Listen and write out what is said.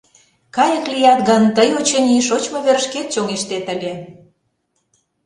Кайык лият гын, тый, очыни, шочмо верышкет чоҥештет ыле.